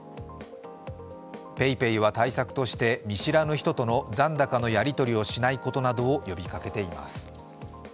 ＰａｙＰａｙは対策として見知らぬ人との残高のやりとりをしないことなどを呼びかけています。